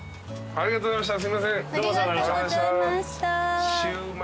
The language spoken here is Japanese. ありがとうございます。